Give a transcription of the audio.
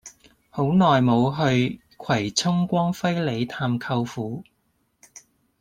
好耐無去葵涌光輝里探舅父